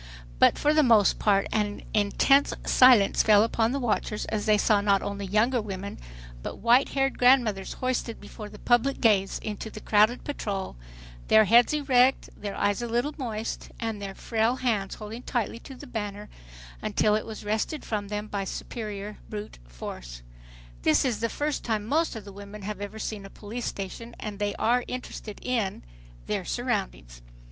But for the most part an intense silence fell upon the watchers, as they saw not only younger women, but whitehaired grandmothers hoisted before the public gaze into the crowded patrol, their heads erect, their eyes a little moist and their frail hands holding tightly to the banner until wrested from them by superior brute force. This is the first time most of the women have ever seen a police station, and they are interested in, their surroundings.